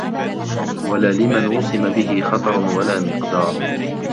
وَلَا لِمَنْ وُصِمَ بِهِ خَطَرٌ وَلَا مِقْدَارٌ